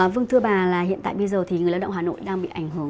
vâng thưa bà hiện tại bây giờ người lao động hà nội đang bị ảnh hưởng